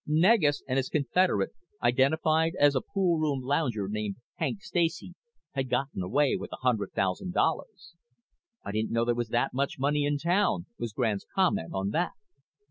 Negus and his confederate, identified as a poolroom lounger named Hank Stacy, had gotten away with a hundred thousand dollars. "I didn't know there was that much money in town," was Grande's comment on that.